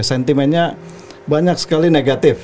sentimennya banyak sekali negatif